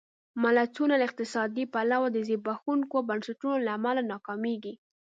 ملتونه له اقتصادي پلوه د زبېښونکو بنسټونو له امله ناکامېږي.